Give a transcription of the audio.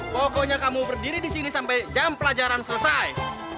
pokoknya kamu berdiri disini sampai jam pelajaran selesai